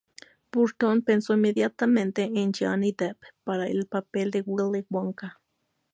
Burton pensó inmediatamente en Johnny Depp para el papel de Willy Wonka.